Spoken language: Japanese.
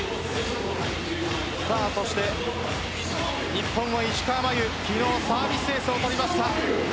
日本は石川真佑昨日サービスエースを取りました。